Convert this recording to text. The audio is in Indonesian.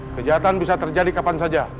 kejahatan bisa terjadi kapan saja